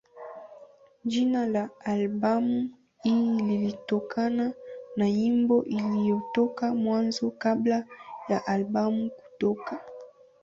Jina la albamu hii lilitokana na nyimbo iliyotoka Mwanzo kabla ya albamu kutoka.